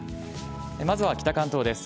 まずは北関東です。